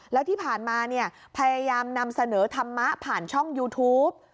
แล้วที่ผ่านมาพยายามนำเสนอธรรมะผ่านช่องยูทูป